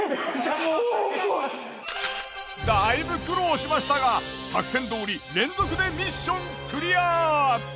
だいぶ苦労しましたが作戦どおり連続でミッションクリア。